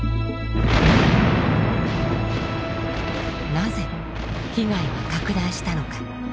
なぜ被害は拡大したのか。